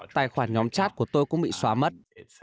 tài khoản nhóm chat của tôi cũng bị xóa mất